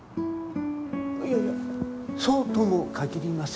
いやいやそうとも限りません。